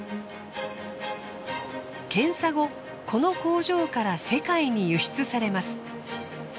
検査後この工場から世界に輸出されます。